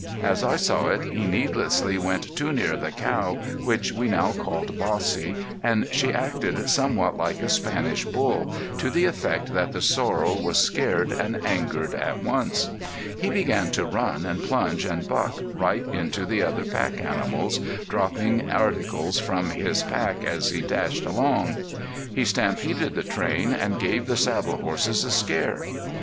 As I saw it, he heedlessly went too near the cow, which we now called Bossy, and she acted somewhat like a Spanish Bull, to the effect that the sorrel was scared and angered at once. He began to run and plunge and buck right into the other pack animals, dropping articles from his pack as he dashed along. He stampeded the train, and gave the saddle horses a scare.